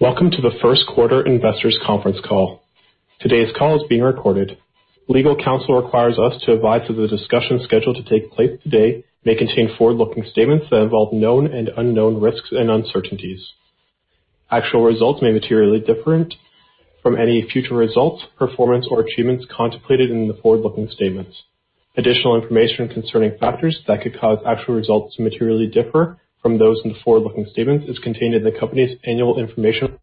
Welcome to the First Quarter Investors Conference Call. Today's call is being recorded. Legal counsel requires us to advise that the discussion scheduled to take place today may contain forward-looking statements that involve known and unknown risks and uncertainties. Actual results may materially differ from any future results, performance, or achievements contemplated in the forward-looking statements. Additional information concerning factors that could cause actual results to materially differ from those in the forward-looking statements is contained in the company's annual information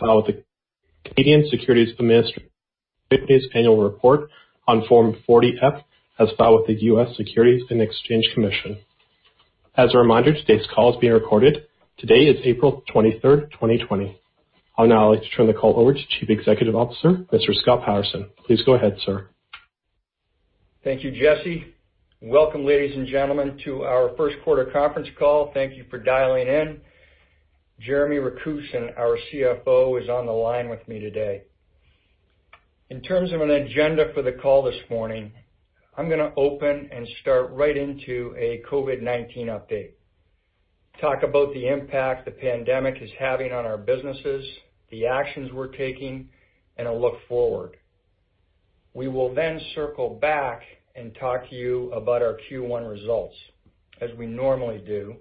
filed with the Canadian Securities Administrators' annual report on Form 40-F, as filed with the U.S. Securities and Exchange Commission. As a reminder, today's call is being recor ded. Today is April 23rd, 2020. I'll now turn the call over to Chief Executive Officer, Mr. Scott Patterson. Please go ahead, sir. Thank you, Jesse. Welcome, ladies and gentlemen, to our first quarter conference call. Thank you for dialing in. Jeremy Rakusin, our CFO, is on the line with me today. In terms of an agenda for the call this morning, I'm going to open and start right into a COVID-19 update, talk about the impact the pandemic is having on our businesses, the actions we're taking, and a look forward. We will then circle back and talk to you about our Q1 results, as we normally do,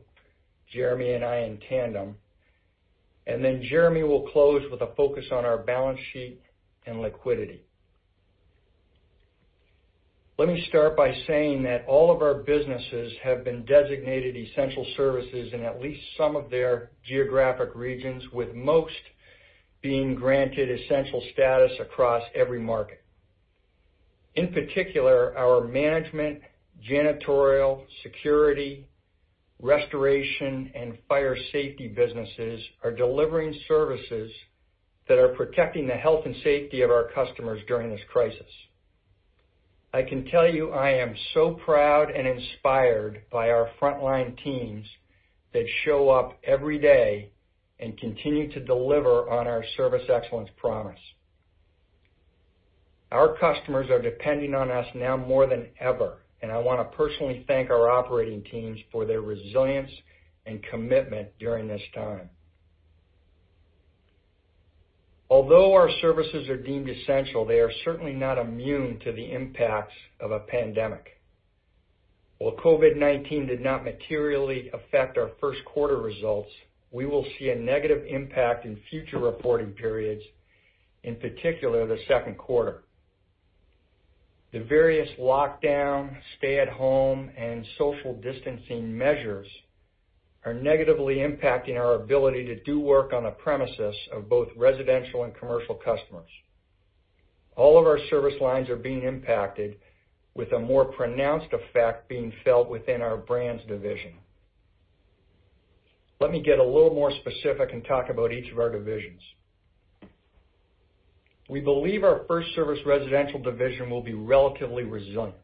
Jeremy and I in tandem, and then Jeremy will close with a focus on our balance sheet and liquidity. Let me start by saying that all of our businesses have been designated essential services in at least some of their geographic regions, with most being granted essential status across every market. In particular, our management, janitorial, security, restoration, and fire safety businesses are delivering services that are protecting the health and safety of our customers during this crisis. I can tell you I am so proud and inspired by our frontline teams that show up every day and continue to deliver on our service excellence promise. Our customers are depending on us now more than ever, and I want to personally thank our operating teams for their resilience and commitment during this time. Although our services are deemed essential, they are certainly not immune to the impacts of a pandemic. While COVID-19 did not materially affect our first-quarter results, we will see a negative impact in future reporting periods, in particular the second quarter. The various lockdown, stay-at-home, and social distancing measures are negatively impacting our ability to do work on the premises of both residential and commercial customers. All of our service lines are being impacted, with a more pronounced effect being felt within our brands division. Let me get a little more specific and talk about each of our divisions. We believe our FirstService Residential division will be relatively resilient.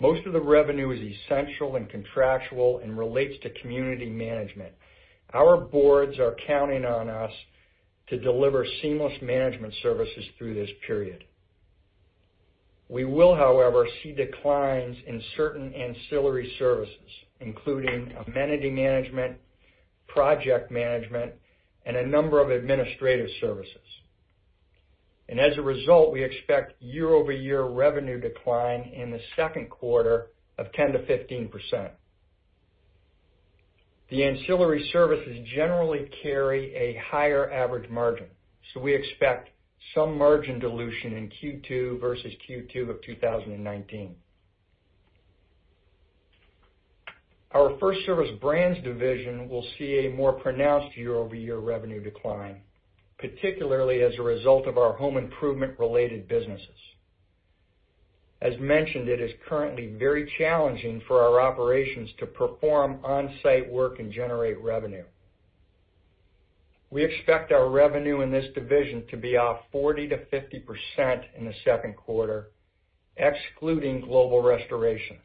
Most of the revenue is essential and contractual and relates to community management. Our boards are counting on us to deliver seamless management services through this period. We will, however, see declines in certain ancillary services, including amenity management, project management, and a number of administrative services. And as a result, we expect year-over-year revenue decline in the second quarter of 10%-15%. The ancillary services generally carry a higher average margin, so we expect some margin dilution in Q2 versus Q2 of 2019. Our FirstService Brands division will see a more pronounced year-over-year revenue decline, particularly as a result of our home improvement-related businesses. As mentioned, it is currently very challenging for our operations to perform on-site work and generate revenue. We expect our revenue in this division to be off 40%-50% in the second quarter, excluding Global Restoration.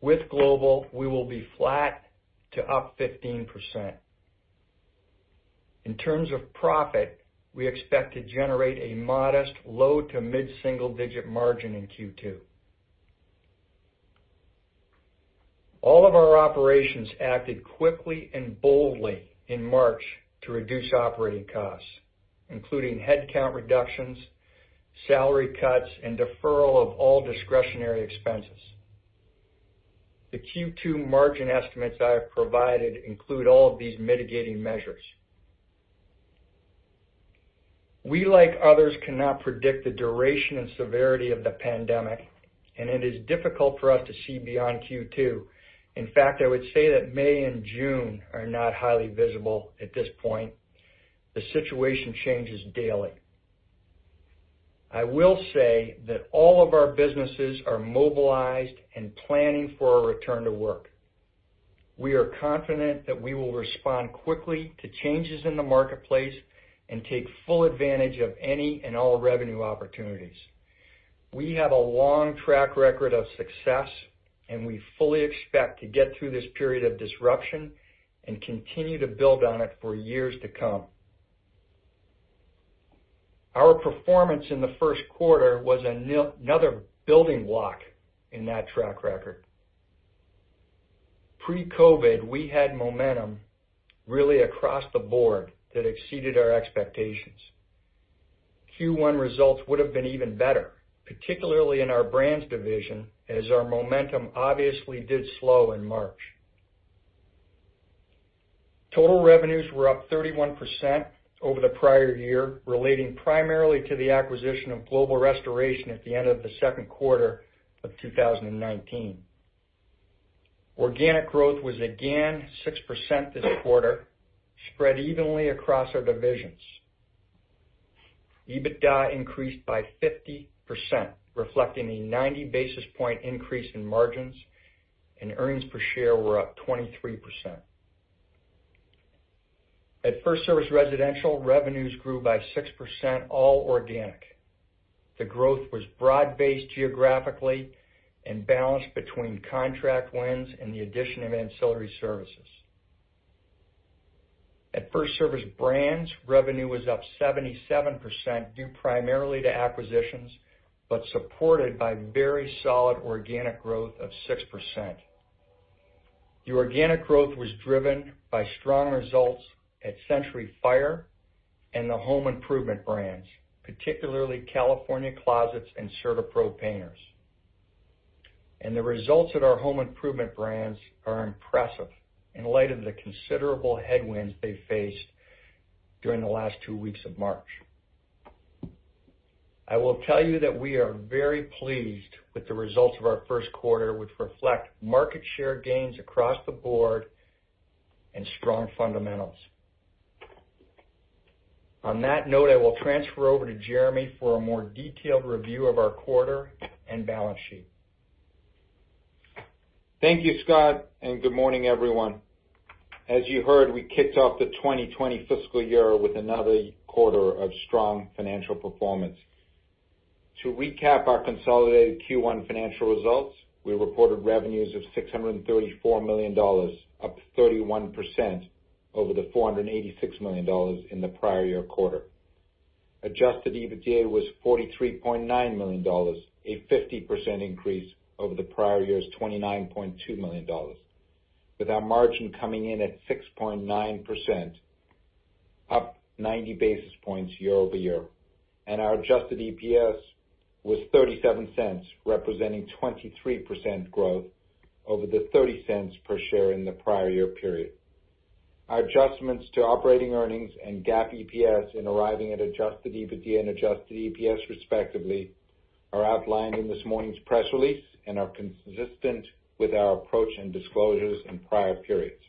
With Global, we will be flat to up 15%. In terms of profit, we expect to generate a modest low to mid-single-digit margin in Q2. All of our operations acted quickly and boldly in March to reduce operating costs, including headcount reductions, salary cuts, and deferral of all discretionary expenses. The Q2 margin estimates I have provided include all of these mitigating measures. We, like others, cannot predict the duration and severity of the pandemic, and it is difficult for us to see beyond Q2. In fact, I would say that May and June are not highly visible at this point. The situation changes daily. I will say that all of our businesses are mobilized and planning for a return to work. We are confident that we will respond quickly to changes in the marketplace and take full advantage of any and all revenue opportunities. We have a long track record of success, and we fully expect to get through this period of disruption and continue to build on it for years to come. Our performance in the first quarter was another building block in that track record. Pre-COVID, we had momentum really across the board that exceeded our expectations. Q1 results would have been even better, particularly in our brands division, as our momentum obviously did slow in March. Total revenues were up 31% over the prior year, relating primarily to the acquisition of Global Restoration at the end of the second quarter of 2019. Organic growth was again 6% this quarter, spread evenly across our divisions. EBITDA increased by 50%, reflecting a 90 basis point increase in margins, and earnings per share were up 23%. At FirstService Residential, revenues grew by 6%, all organic. The growth was broad-based geographically and balanced between contract wins and the addition of ancillary services. At FirstService Brands, revenue was up 77% due primarily to acquisitions, but supported by very solid organic growth of 6%. The organic growth was driven by strong results at Century Fire and the home improvement brands, particularly California Closets and CertaPro Painters. The results at our home improvement brands are impressive in light of the considerable headwinds they faced during the last two weeks of March. I will tell you that we are very pleased with the results of our first quarter, which reflect market share gains across the board and strong fundamentals. On that note, I will transfer over to Jeremy for a more detailed review of our quarter and balance sheet. Thank you, Scott, and good morning, everyone. As you heard, we kicked off the 2020 fiscal year with another quarter of strong financial performance. To recap our consolidated Q1 financial results, we reported revenues of $634 million, up 31% over the $486 million in the prior year quarter. Adjusted EBITDA was $43.9 million, a 50% increase over the prior year's $29.2 million, with our margin coming in at 6.9%, up 90 basis points year-over-year. Our adjusted EPS was $0.37, representing 23% growth over the $0.30 per share in the prior year period. Our adjustments to operating earnings and GAAP EPS, and arriving at adjusted EBITDA and adjusted EPS, respectively, are outlined in this morning's press release and are consistent with our approach and disclosures in prior periods.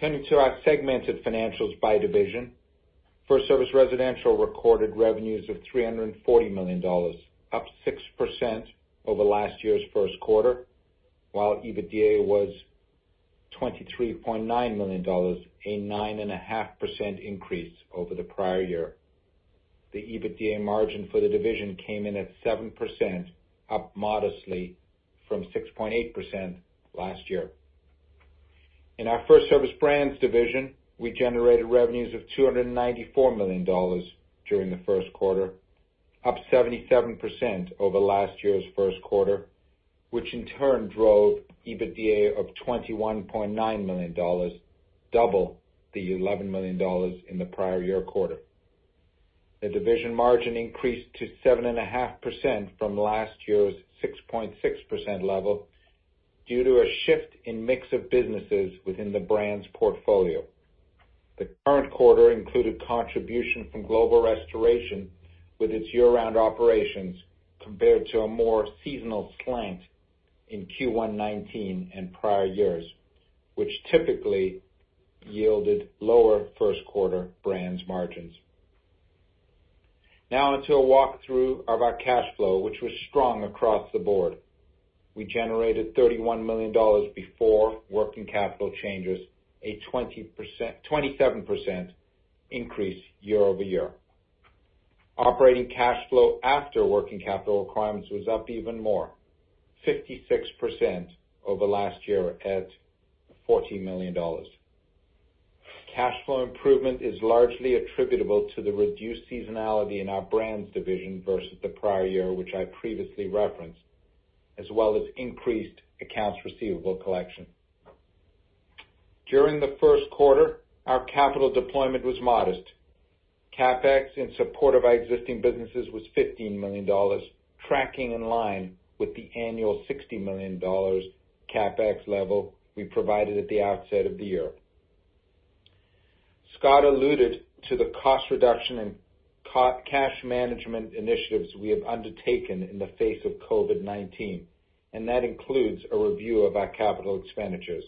Turning to our segmented financials by division, FirstService Residential recorded revenues of $340 million, up 6% over last year's first quarter, while EBITDA was $23.9 million, a 9.5% increase over the prior year. The EBITDA margin for the division came in at 7%, up modestly from 6.8% last year. In our FirstService Brands division, we generated revenues of $294 million during the first quarter, up 77% over last year's first quarter, which in turn drove EBITDA of $21.9 million, double the $11 million in the prior year quarter. The division margin increased to 7.5% from last year's 6.6% level due to a shift in mix of businesses within the brands portfolio. The current quarter included contribution from Global Restoration with its year-round operations compared to a more seasonal slant in Q1 2019 and prior years, which typically yielded lower first-quarter brands margins. Now, I want to walk through our cash flow, which was strong across the board. We generated $31 million before working capital changes, a 27% increase year-over-year. Operating cash flow after working capital requirements was up even more, 56% over last year at $14 million. Cash flow improvement is largely attributable to the reduced seasonality in our brands division versus the prior year, which I previously referenced, as well as increased accounts receivable collection. During the first quarter, our capital deployment was modest. CapEx in support of our existing businesses was $15 million, tracking in line with the annual $60 million CapEx level we provided at the outset of the year. Scott alluded to the cost reduction and cash management initiatives we have undertaken in the face of COVID-19, and that includes a review of our capital expenditures.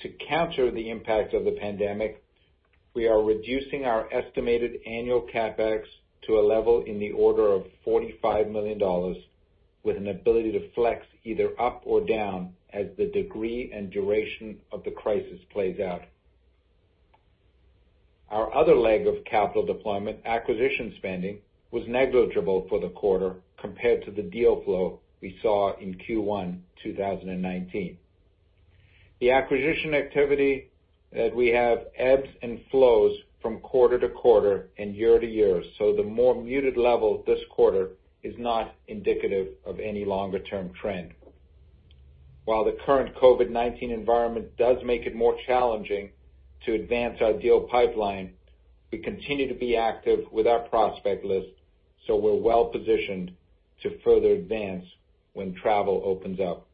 To counter the impact of the pandemic, we are reducing our estimated annual CapEx to a level in the order of $45 million, with an ability to flex either up or down as the degree and duration of the crisis plays out. Our other leg of capital deployment, acquisition spending, was negligible for the quarter compared to the deal flow we saw in Q1 2019. The acquisition activity that we have ebbs and flows from quarter to quarter and year to year, so the more muted level this quarter is not indicative of any longer-term trend. While the current COVID-19 environment does make it more challenging to advance our deal pipeline, we continue to be active with our prospect list, so we're well positioned to further advance when travel opens up.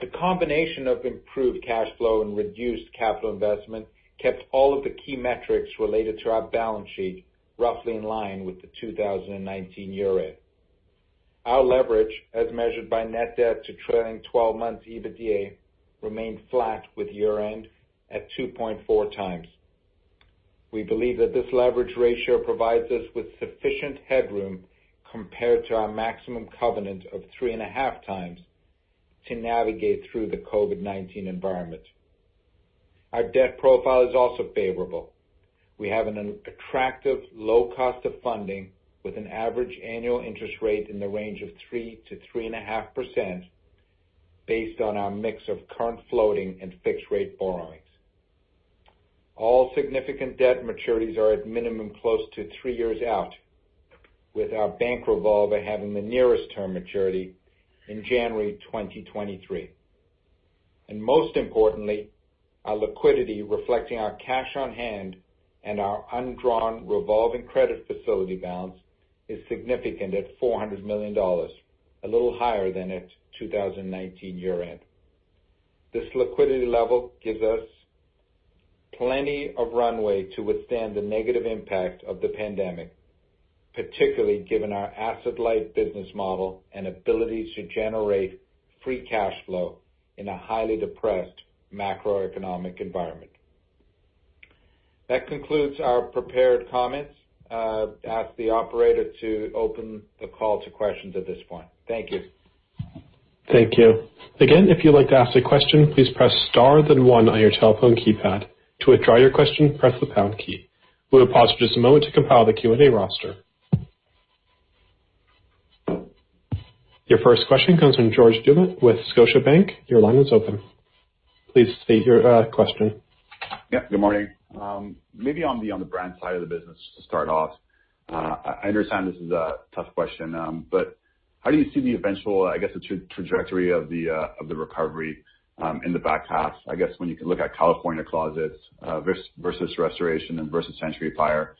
The combination of improved cash flow and reduced capital investment kept all of the key metrics related to our balance sheet roughly in line with the 2019 year-end. Our leverage, as measured by net debt to trailing 12 months EBITDA, remained flat with year-end at 2.4x. We believe that this leverage ratio provides us with sufficient headroom compared to our maximum covenant of 3.5x to navigate through the COVID-19 environment. Our debt profile is also favorable. We have an attractive low cost of funding with an average annual interest rate in the range of 3%-3.5% based on our mix of current floating and fixed-rate borrowings. All significant debt maturities are at minimum close to 3 years out, with our bank revolver having the nearest term maturity in January 2023. Most importantly, our liquidity, reflecting our cash on hand and our undrawn revolving credit facility balance, is significant at $400 million, a little higher than at 2019 year-end. This liquidity level gives us plenty of runway to withstand the negative impact of the pandemic, particularly given our asset-light business model and ability to generate free cash flow in a highly depressed macroeconomic environment. That concludes our prepared comments. I ask the operator to open the call to questions at this point. Thank you. Thank you. Again, if you'd like to ask a question, please press star then one on your telephone keypad. To withdraw your question, press the pound key. We will pause for just a moment to compile the Q&A roster. Your first question comes from George Doumet with Scotiabank. Your line is open. Please state your question. Yeah. Good morning. Maybe on the brand side of the business to start off, I understand this is a tough question, but how do you see the eventual, I guess, trajectory of the recovery in the back half? I guess when you can look at California Closets versus Restoration and versus Century Fire,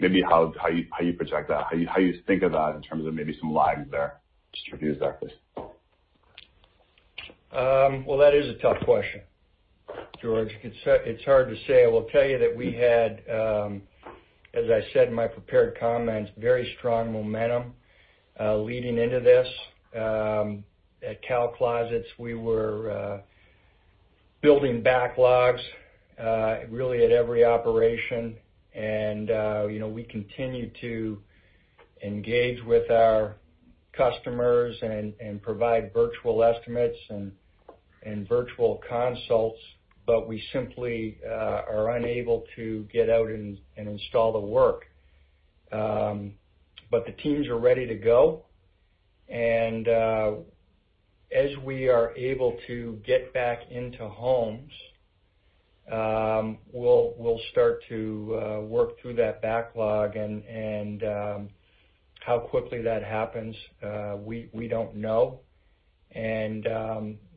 maybe how you project that, how you think of that in terms of maybe some lags there. Just introduce that, please. Well, that is a tough question, George. It's hard to say. I will tell you that we had, as I said in my prepared comments, very strong momentum leading into this. At California Closets, we were building backlogs really at every operation, and we continue to engage with our customers and provide virtual estimates and virtual consults, but we simply are unable to get out and install the work. But the teams are ready to go, and as we are able to get back into homes, we'll start to work through that backlog, and how quickly that happens, we don't know. And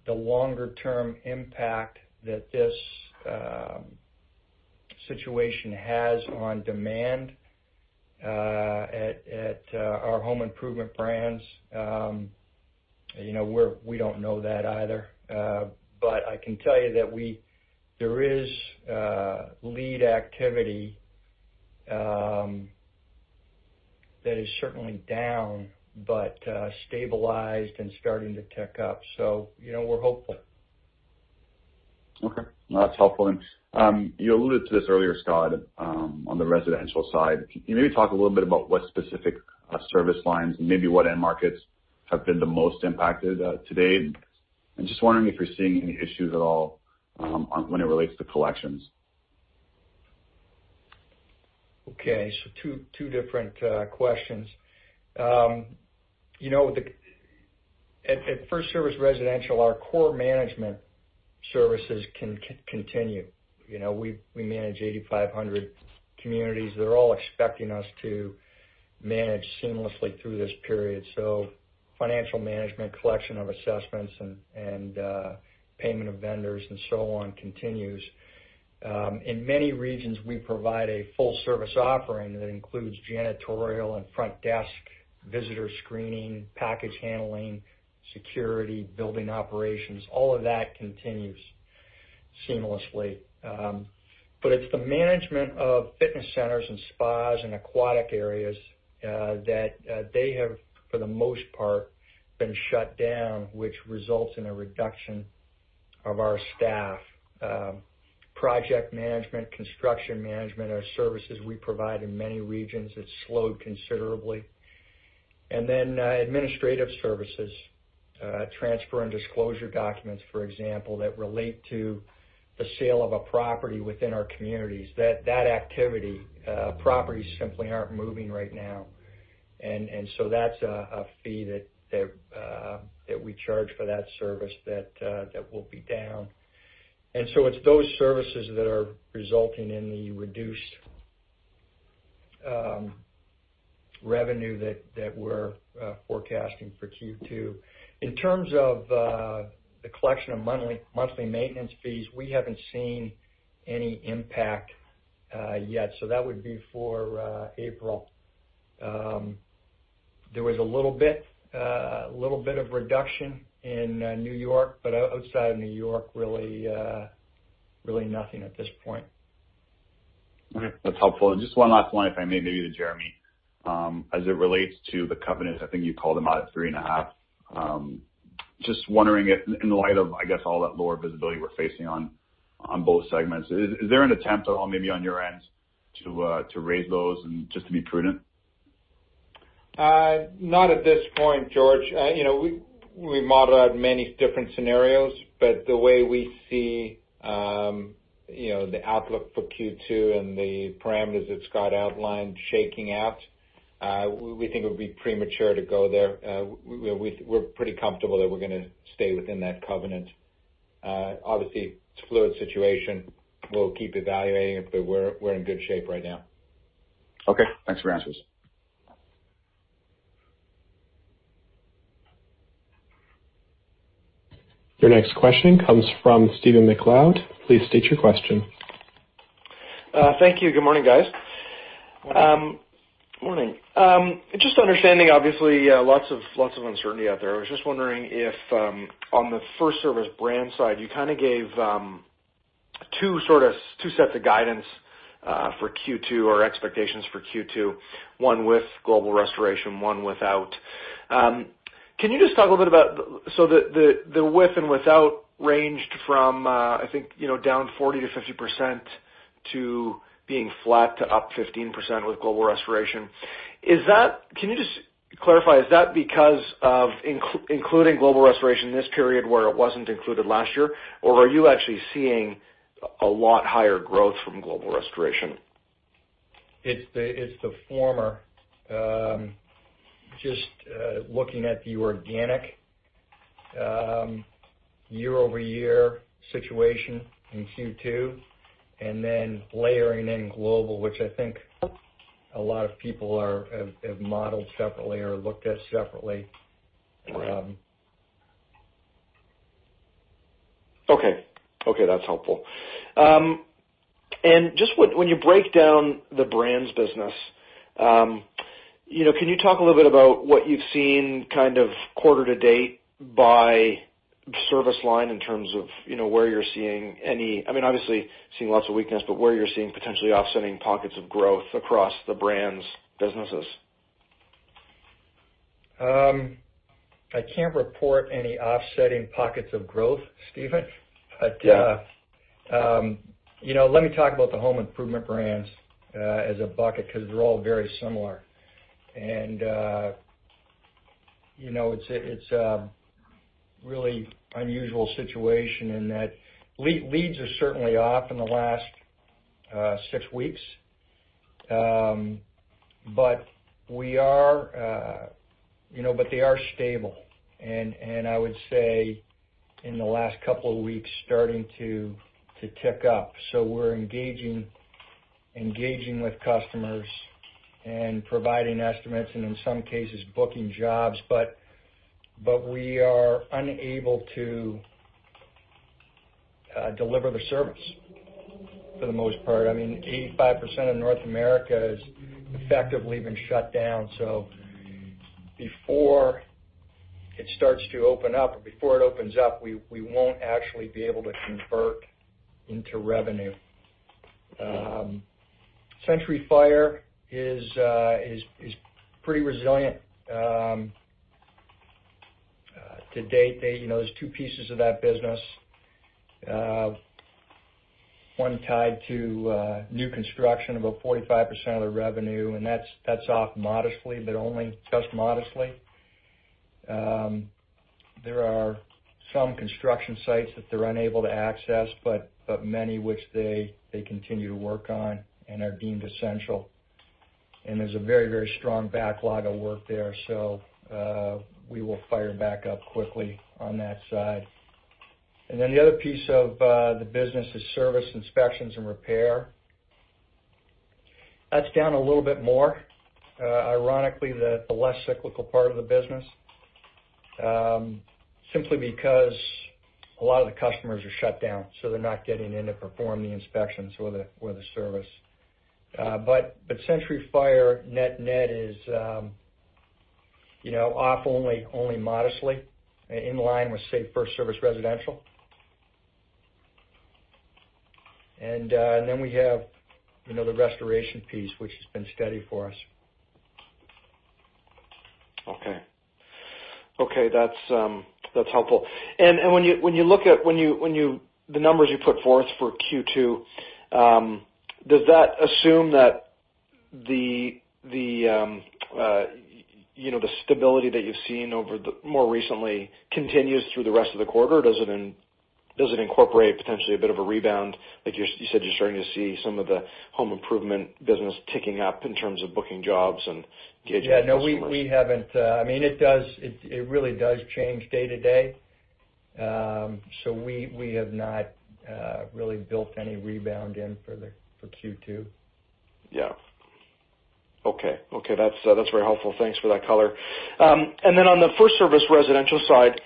the longer-term impact that this situation has on demand at our home improvement brands, we don't know that either. But I can tell you that there is lead activity that is certainly down but stabilized and starting to tick up, so we're hopeful. Okay. That's helpful. You alluded to this earlier, Scott, on the residential side. Can you maybe talk a little bit about what specific service lines and maybe what end markets have been the most impacted today? And just wondering if you're seeing any issues at all when it relates to collections. Okay. So two different questions. At FirstService Residential, our core management services can continue. We manage 8,500 communities. They're all expecting us to manage seamlessly through this period. So financial management, collection of assessments, and payment of vendors and so on continues. In many regions, we provide a full-service offering that includes janitorial and front desk, visitor screening, package handling, security, building operations. All of that continues seamlessly. But it's the management of fitness centers and spas and aquatic areas that they have, for the most part, been shut down, which results in a reduction of our staff. Project management, construction management, our services we provide in many regions, it's slowed considerably. And then administrative services, transfer and disclosure documents, for example, that relate to the sale of a property within our communities. That activity, properties simply aren't moving right now. And so that's a fee that we charge for that service that will be down. And so it's those services that are resulting in the reduced revenue that we're forecasting for Q2. In terms of the collection of monthly maintenance fees, we haven't seen any impact yet, so that would be for April. There was a little bit of reduction in New York, but outside of New York, really nothing at this point. Okay. That's helpful. And just one last one, if I may, maybe to Jeremy, as it relates to the covenant, I think you called them out at 3.5. Just wondering, in light of, I guess, all that lower visibility we're facing on both segments, is there an attempt at all, maybe on your end, to raise those and just to be prudent? Not at this point, George. We've modeled out many different scenarios, but the way we see the outlook for Q2 and the parameters that Scott outlined shaking out, we think it would be premature to go there. We're pretty comfortable that we're going to stay within that covenant. Obviously, it's a fluid situation. We'll keep evaluating it, but we're in good shape right now. Okay. Thanks for your answers. Your next question comes from Stephen MacLeod. Please state your question. Thank you. Good morning, guys. Morning. Morning. Just understanding, obviously, lots of uncertainty out there. I was just wondering if, on the FirstService Brands side, you kind of gave two sets of guidance for Q2 or expectations for Q2, one with Global Restoration, one without. Can you just talk a little bit about so the with and without ranged from, I think, down 40%-50% to being flat to up 15% with Global Restoration. Can you just clarify, is that because of including Global Restoration this period where it wasn't included last year, or are you actually seeing a lot higher growth from Global Restoration? It's the former. Just looking at the organic year-over-year situation in Q2 and then layering in global, which I think a lot of people have modeled separately or looked at separately. Okay. Okay. That's helpful. And just when you break down the brands business, can you talk a little bit about what you've seen kind of quarter to date by service line in terms of where you're seeing any, I mean, obviously, seeing lots of weakness, but where you're seeing potentially offsetting pockets of growth across the brands' businesses? I can't report any offsetting pockets of growth, Stephen. Let me talk about the home improvement brands as a bucket because they're all very similar. It's a really unusual situation in that leads are certainly off in the last six weeks, but they are stable. I would say in the last couple of weeks, starting to tick up. So we're engaging with customers and providing estimates and, in some cases, booking jobs, but we are unable to deliver the service for the most part. I mean, 85% of North America has effectively been shut down. So before it starts to open up or before it opens up, we won't actually be able to convert into revenue. Century Fire is pretty resilient. To date, there's two pieces of that business, one tied to new construction of about 45% of the revenue, and that's off modestly, but only just modestly. There are some construction sites that they're unable to access, but many of which they continue to work on and are deemed essential. And there's a very, very strong backlog of work there, so we will fire back up quickly on that side. And then the other piece of the business is service inspections and repair. That's down a little bit more, ironically, the less cyclical part of the business, simply because a lot of the customers are shut down, so they're not getting in to perform the inspections or the service. But Century Fire net-net is off only modestly, in line with, say, FirstService Residential. And then we have the restoration piece, which has been steady for us. Okay. Okay. That's helpful. And when you look at the numbers you put forth for Q2, does that assume that the stability that you've seen more recently continues through the rest of the quarter? Does it incorporate potentially a bit of a rebound? Like you said, you're starting to see some of the home improvement business ticking up in terms of booking jobs and engaging customers. Yeah. No, we haven't. I mean, it really does change day to day. So we have not really built any rebound in for Q2. Yeah. Okay. Okay. That's very helpful. Thanks for that color. And then on the FirstService Residential side,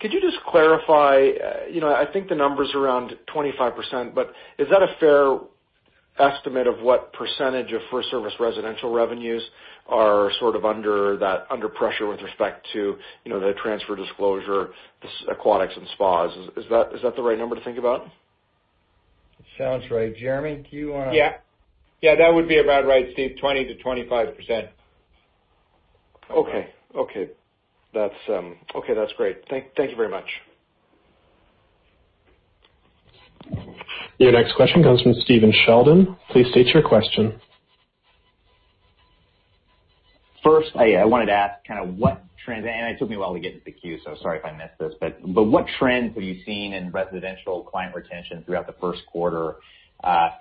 could you just clarify? I think the number's around 25%, but is that a fair estimate of what percentage of FirstService Residential revenues are sort of under pressure with respect to the transfer disclosure, aquatics and spas? Is that the right number to think about? Sounds right. Jeremy, do you want to? Yeah. Yeah. That would be about right, Steve. 20%-25%. Okay. Okay. Okay. That's great. Thank you very much. Your next question comes from Stephen Sheldon. Please state your question. First, I wanted to ask kind of what trends, and it took me a while to get into the queue, so sorry if I missed this, but what trends have you seen in residential client retention throughout the first quarter,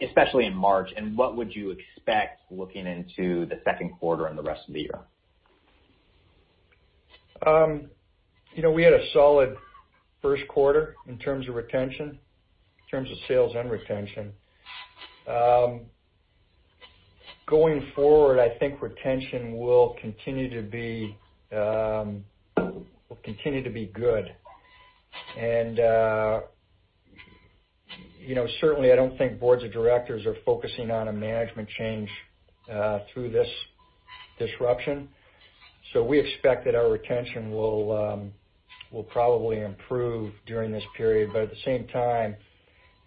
especially in March? And what would you expect looking into the second quarter and the rest of the year? We had a solid first quarter in terms of retention, in terms of sales and retention. Going forward, I think retention will continue to be good. Certainly, I don't think boards of directors are focusing on a management change through this disruption. We expect that our retention will probably improve during this period. At the same time,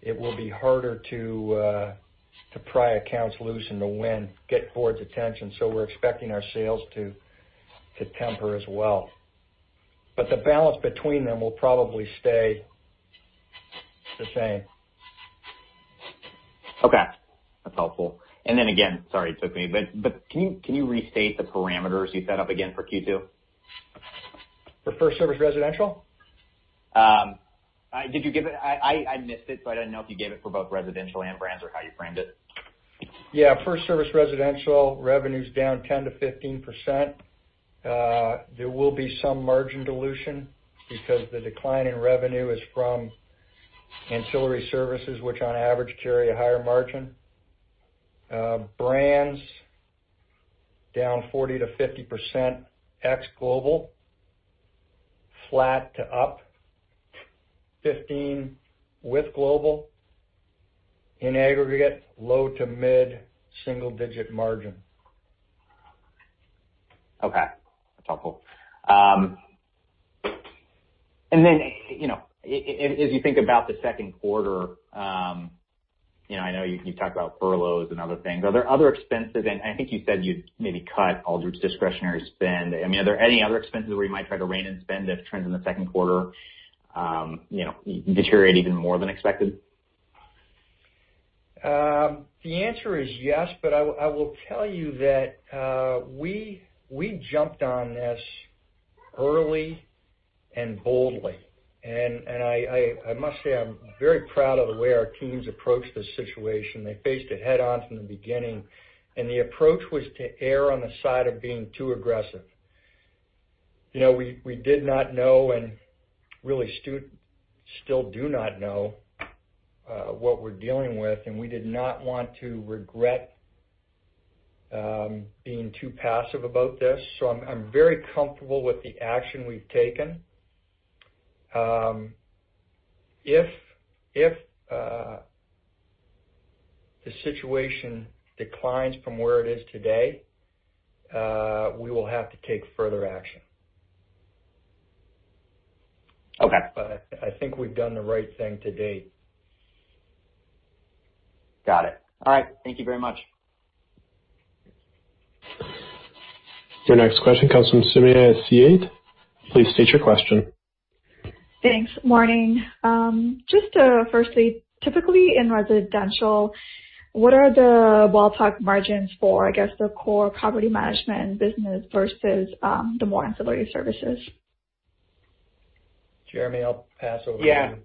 it will be harder to pry accounts loose and to win, get boards' attention. We're expecting our sales to temper as well. The balance between them will probably stay the same. Okay. That's helpful. And then again, sorry, it took me. But can you restate the parameters you set up again for Q2? For FirstService Residential? Did you give it? I missed it, so I didn't know if you gave it for both residential and brands or how you framed it. Yeah. FirstService Residential revenue's down 10%-15%. There will be some margin dilution because the decline in revenue is from ancillary services, which on average carry a higher margin. Brands down 40%-50%, ex-global, flat to up 15% with global. In aggregate, low- to mid-single-digit margin. Okay. That's helpful. Then as you think about the second quarter, I know you talked about furloughs and other things. Are there other expenses? I think you said you'd maybe cut all your discretionary spend. I mean, are there any other expenses where you might try to rein in spend if trends in the second quarter deteriorate even more than expected? The answer is yes, but I will tell you that we jumped on this early and boldly. I must say I'm very proud of the way our teams approached this situation. They faced it head-on from the beginning. The approach was to err on the side of being too aggressive. We did not know and really still do not know what we're dealing with. We did not want to regret being too passive about this. I'm very comfortable with the action we've taken. If the situation declines from where it is today, we will have to take further action. I think we've done the right thing to date. Got it. All right. Thank you very much. Your next question comes from Sumayya Syed. Please state your question. Thanks. Morning. Just firstly, typically in residential, what are the walk-up margins for, I guess, the core property management business versus the more ancillary services? Jeremy, I'll pass over to you. Yeah.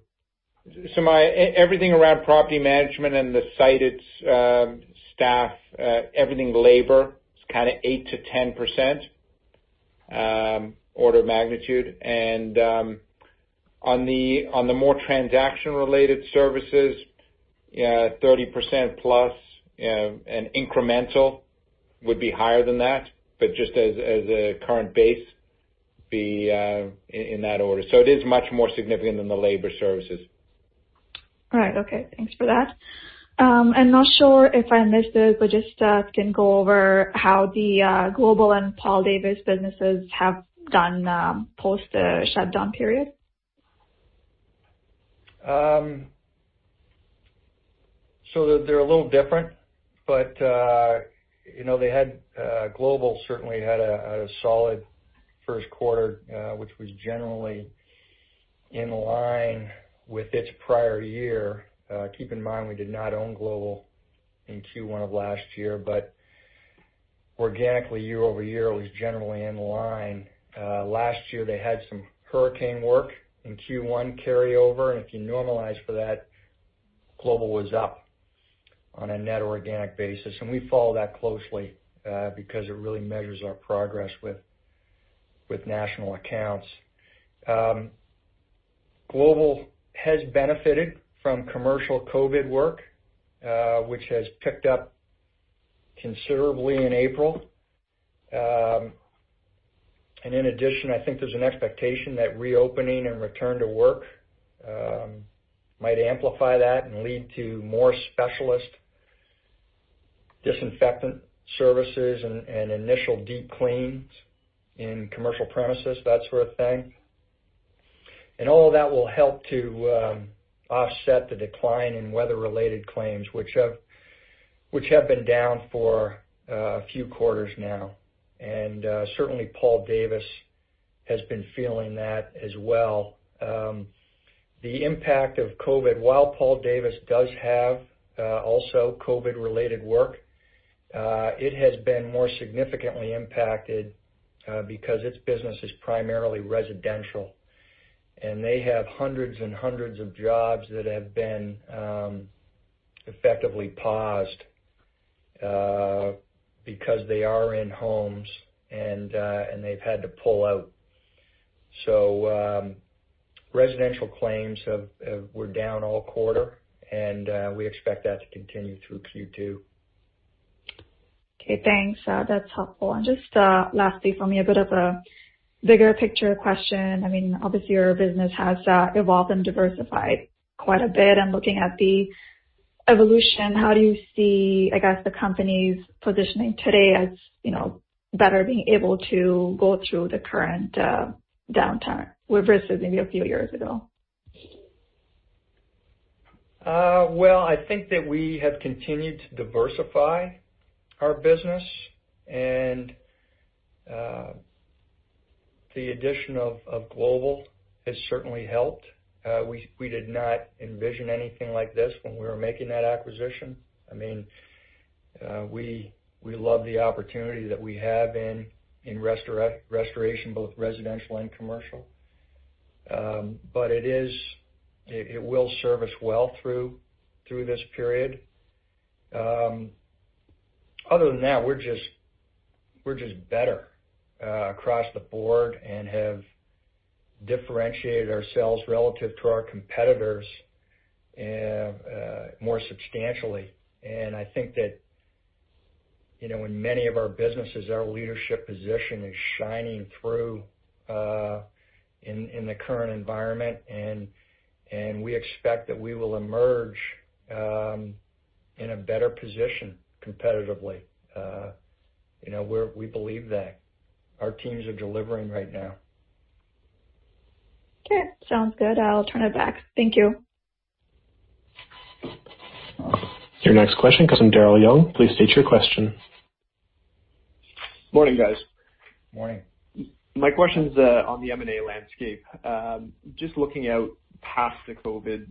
So everything around property management and the site staff, everything labor, it's kind of 8%-10% order of magnitude. And on the more transaction-related services, 30%+ and incremental would be higher than that, but just as a current base, be in that order. So it is much more significant than the labor services. All right. Okay. Thanks for that. I'm not sure if I missed it, but just can go over how the global and Paul Davis businesses have done post-shutdown period? So they're a little different, but they had Global certainly had a solid first quarter, which was generally in line with its prior year. Keep in mind, we did not own Global in Q1 of last year, but organically, year-over-year, it was generally in line. Last year, they had some hurricane work in Q1 carryover. And if you normalize for that, Global was up on a net organic basis. And we follow that closely because it really measures our progress with national accounts. Global has benefited from commercial COVID work, which has picked up considerably in April. And in addition, I think there's an expectation that reopening and return to work might amplify that and lead to more specialist disinfectant services and initial deep cleans in commercial premises, that sort of thing. All of that will help to offset the decline in weather-related claims, which have been down for a few quarters now. Certainly, Paul Davis has been feeling that as well. The impact of COVID, while Paul Davis does have also COVID-related work, it has been more significantly impacted because its business is primarily residential. They have hundreds and hundreds of jobs that have been effectively paused because they are in homes and they've had to pull out. Residential claims were down all quarter, and we expect that to continue through Q2. Okay. Thanks. That's helpful. Just lastly, for me, a bit of a bigger picture question. I mean, obviously, your business has evolved and diversified quite a bit. Looking at the evolution, how do you see, I guess, the company's positioning today as better being able to go through the current downturn versus maybe a few years ago? Well, I think that we have continued to diversify our business, and the addition of global has certainly helped. We did not envision anything like this when we were making that acquisition. I mean, we love the opportunity that we have in restoration, both residential and commercial. But it will serve us well through this period. Other than that, we're just better across the board and have differentiated ourselves relative to our competitors more substantially. And I think that in many of our businesses, our leadership position is shining through in the current environment. And we expect that we will emerge in a better position competitively. We believe that. Our teams are delivering right now. Okay. Sounds good. I'll turn it back. Thank you. Your next question comes from Daryl Young. Please state your question. Morning, guys. Morning. My question's on the M&A landscape. Just looking out past the COVID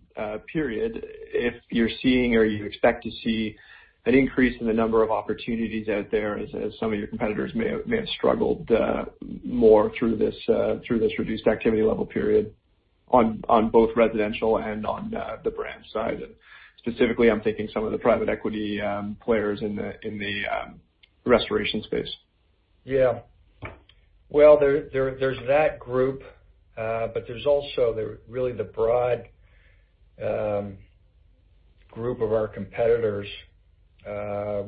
period, if you're seeing or you expect to see an increase in the number of opportunities out there, as some of your competitors may have struggled more through this reduced activity level period on both residential and on the brand side. And specifically, I'm thinking some of the private equity players in the restoration space. Yeah. Well, there's that group, but there's also really the broad group of our competitors.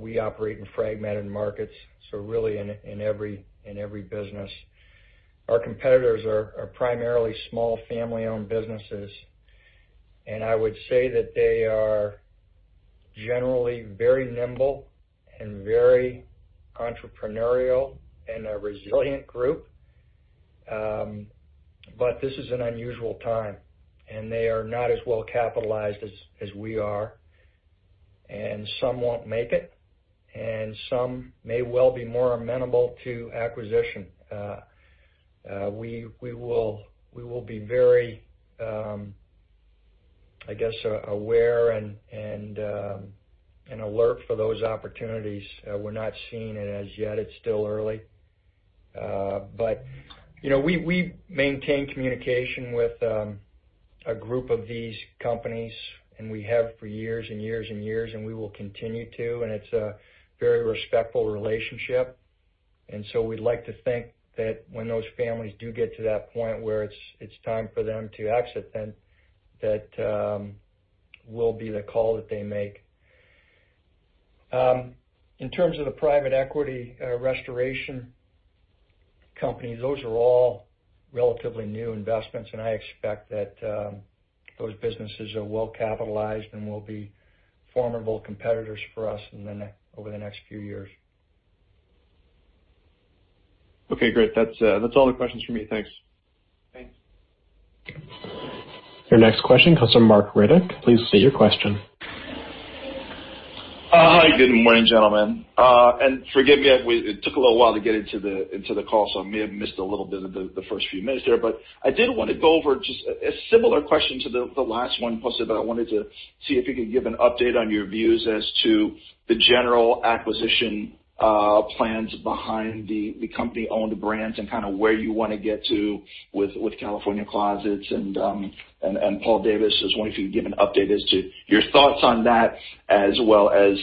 We operate in fragmented markets, so really in every business. Our competitors are primarily small family-owned businesses. I would say that they are generally very nimble and very entrepreneurial and a resilient group. This is an unusual time, and they are not as well capitalized as we are. Some won't make it, and some may well be more amenable to acquisition. We will be very, I guess, aware and alert for those opportunities. We're not seeing it as yet. It's still early. We maintain communication with a group of these companies, and we have for years and years and years, and we will continue to. It's a very respectful relationship. And so we'd like to think th at when those families do get to that point where it's time for them to exit, then that will be the call that they make. In terms of the private equity restoration companies, those are all relatively new investments. And I expect that those businesses are well capitalized and will be formidable competitors for us over the next few years. Okay. Great. That's all the questions for me. Thanks. Thanks. Your next question comes from Marc Riddick. Please state your question. Hi. Good morning, gentlemen. Forgive me, it took a little while to get into the call, so I may have missed a little bit of the first few minutes there. But I did want to go over just a similar question to the last one posted, but I wanted to see if you could give an update on your views as to the general acquisition plans behind the company-owned brands and kind of where you want to get to with California Closets. Paul Davis, I just wanted if you could give an update as to your thoughts on that, as well as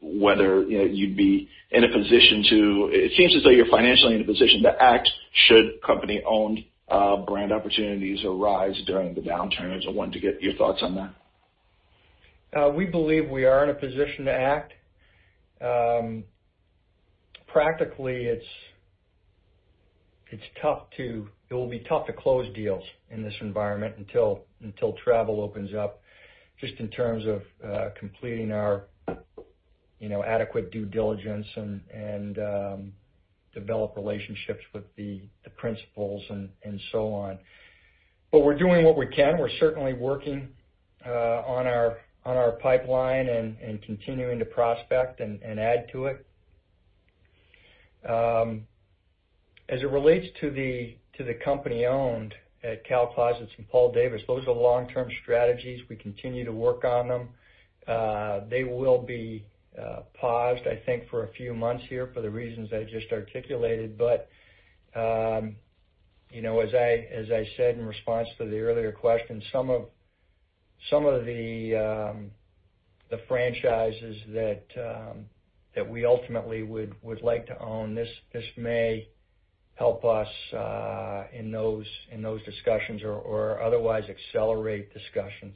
whether you'd be in a position to - it seems as though you're financially in a position to act should company-owned brand opportunities arise during the downturn. I just wanted to get your thoughts on that. We believe we are in a position to act. Practically, it's tough to, it will be tough to close deals in this environment until travel opens up, just in terms of completing our adequate due diligence and developing relationships with the principals and so on. But we're doing what we can. We're certainly working on our pipeline and continuing to prospect and add to it. As it relates to the company-owned at Cal Closets and Paul Davis, those are long-term strategies. We continue to work on them. They will be paused, I think, for a few months here for the reasons I just articulated. But as I said in response to the earlier question, some of the franchises that we ultimately would like to own, this may help us in those discussions or otherwise accelerate discussions.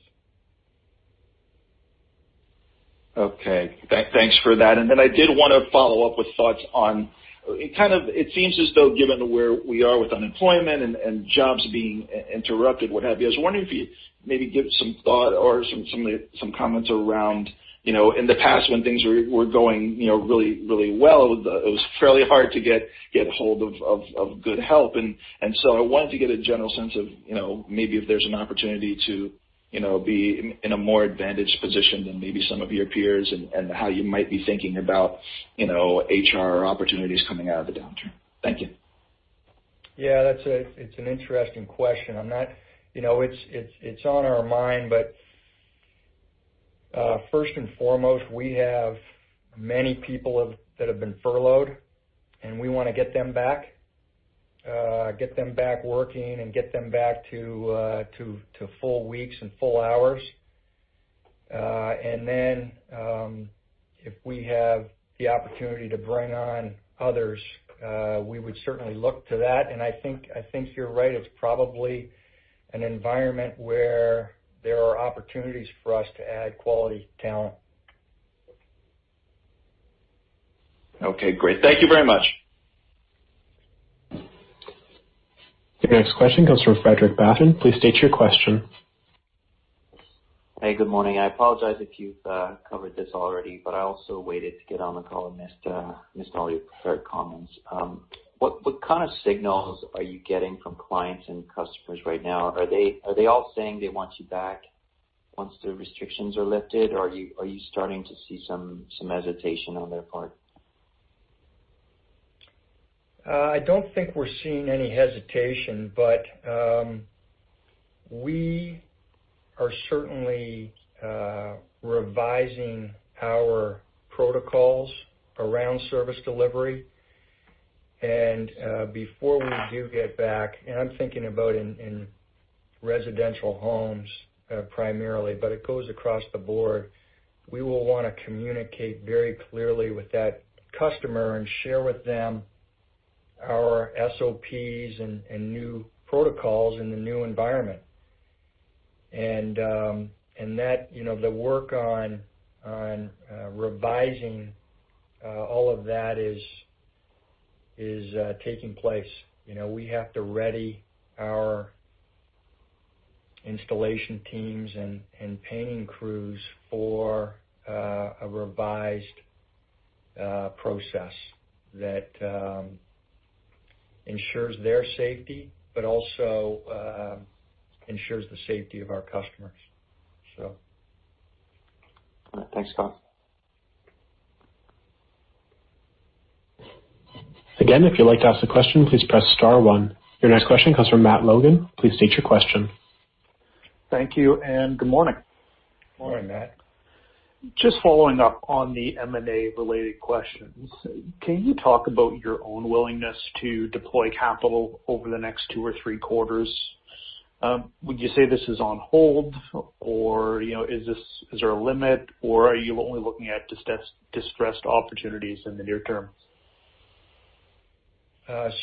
Okay. Thanks for that. And then I did want to follow up with thoughts on kind of, it seems as though given where we are with unemployment and jobs being interrupted, what have you. I was wondering if you'd maybe give some thought or some comments around, in the past, when things were going really well, it was fairly hard to get hold of good help. And so I wanted to get a general sense of maybe if there's an opportunity to be in a more advantaged position than maybe some of your peers and how you might be thinking about HR opportunities coming out of the downturn. Thank you. Yeah. It's an interesting question. It's on our mind, but first and foremost, we have many people that have been furloughed, and we want to get them back, get them back working, and get them back to full weeks and full hours. And then if we have the opportunity to bring on others, we would certainly look to that. And I think you're right. It's probably an environment where there are opportunities for us to add quality talent. Okay. Great. Thank you very much. Your next question comes from Frederic Bastien. Please state your question. Hey, good morning. I apologize if you've covered this already, but I also waited to get on the call and missed all your preferred comments. What kind of signals are you getting from clients and customers right now? Are they all saying they want you back once the restrictions are lifted, or are you starting to see some hesitation on their part? I don't think we're seeing any hesitation, but we are certainly revising our protocols around service delivery. And before we do get back, and I'm thinking about in residential homes primarily, but it goes across the board, we will want to communicate very clearly with that customer and share with them our SOPs and new protocols in the new environment. And the work on revising all of that is taking place. We have to ready our installation teams and painting crews for a revised process that ensures their safety but also ensures the safety of our customers, so. Thanks, Scott. Again, if you'd like to ask a question, please press star one. Your next question comes from Matt Logan. Please state your question. Thank you. Good morning. Morning, Matt. Just following up on the M&A-related questions, can you talk about your own willingness to deploy capital over the next 2 or 3 quarters? Would you say this is on hold, or is there a limit, or are you only looking at distressed opportunities in the near term?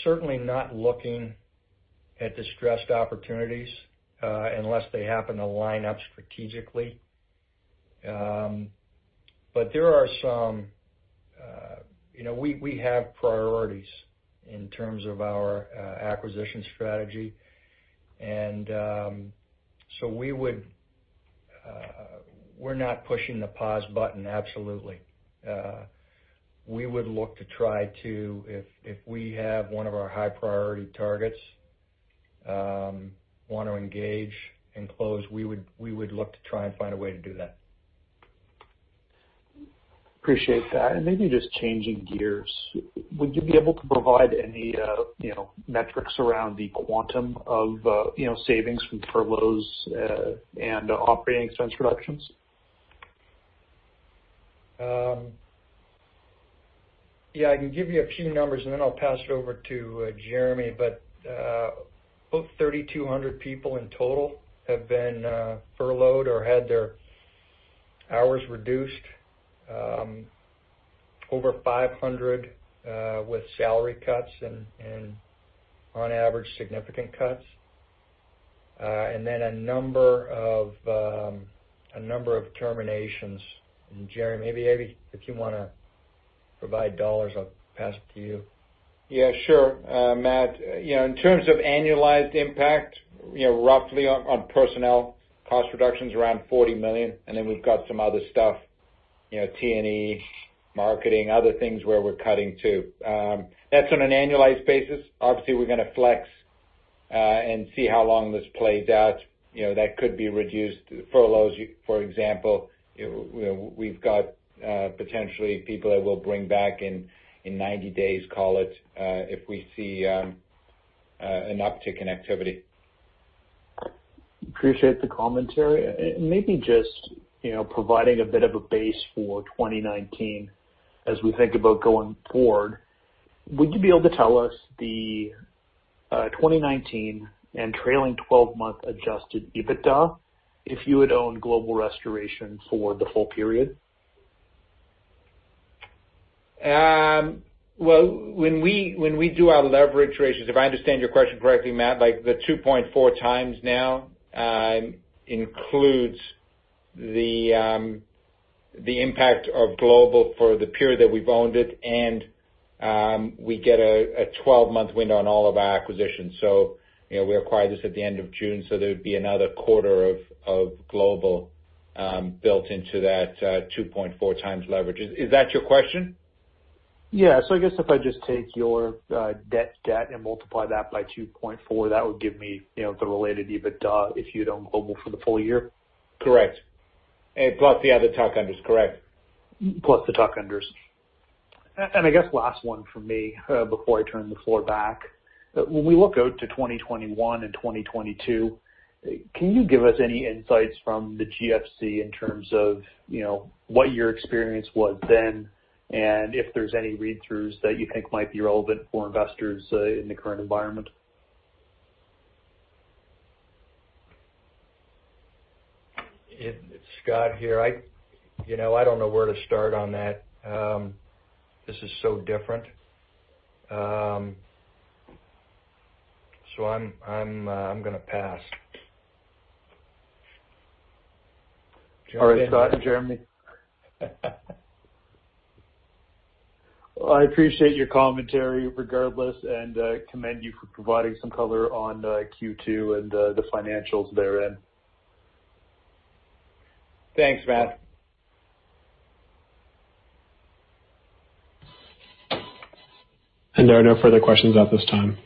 Certainly not looking at distressed opportunities unless they happen to line up strategically. But there are some—we have priorities in terms of our acquisition strategy. And so we're not pushing the pause button, absolutely. We would look to try to, if we have one of our high-priority targets want to engage and close, we would look to try and find a way to do that. Appreciate that. Maybe just changing gears, would you be able to provide any metrics around the quantum of savings from furloughs and operating expense reductions? Yeah. I can give you a few numbers, and then I'll pass it over to Jeremy. But about 3,200 people in total have been furloughed or had their hours reduced, over 500 with salary cuts and, on average, significant cuts. And then a number of terminations. And Jeremy, maybe if you want to provide dollars, I'll pass it to you. Yeah. Sure. Matt, in terms of annualized impact, roughly on personnel, cost reduction's around $40 million. And then we've got some other stuff, T&E, marketing, other things where we're cutting too. That's on an annualized basis. Obviously, we're going to flex and see how long this plays out. That could be reduced. Furloughs, for example, we've got potentially people that we'll bring back in 90 days, call it, if we see an uptick in activity. Appreciate the commentary. And maybe just providing a bit of a base for 2019 as we think about going forward, would you be able to tell us the 2019 and trailing 12-month Adjusted EBITDA if you had owned Global Restoration for the full period? Well, when we do our leverage ratios, if I understand your question correctly, Matt, the 2.4x now includes the impact of global for the period that we've owned it, and we get a 12-month window on all of our acquisitions. So we acquired this at the end of June, so there would be another quarter of global built into that 2.4x leverage. Is that your question? Yeah. So I guess if I just take your debt and multiply that by 2.4, that would give me the related EBITDA if you had owned Global for the full year? Correct. Plus the other tuck-unders. Correct. Plus the tuck-unders. And I guess last one for me before I turn the floor back. When we look out to 2021 and 2022, can you give us any insights from the GFC in terms of what your experience was then and if there's any read-throughs that you think might be relevant for investors in the current environment? It's Scott here. I don't know where to start on that. This is so different. I'm going to pass. Well, I appreciate your commentary regardless and commend you for providing some color on Q2 and the financials therein. Thanks, Matt. There are no further questions at this time.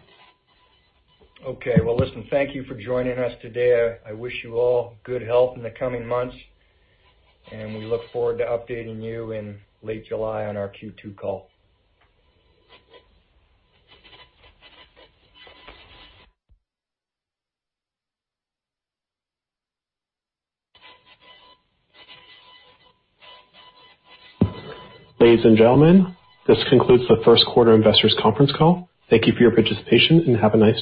Okay. Well, listen, thank you for joining us today. I wish you all good health in the coming months, and we look forward to updating you in late July on our Q2 call. Ladies and gentlemen, this concludes the first quarter investors conference call. Thank you for your participation and have a nice.